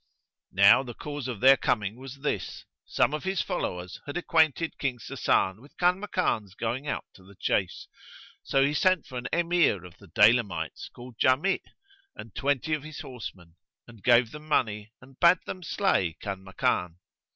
Now the cause of their coming was this. Some of his followers had acquainted King Sasan with Kanmakan's going out to the chase; so he sent for an Emir of the Daylamites, called Jámi' and twenty of his horsemen; and gave them money and bade them slay Kanmaken.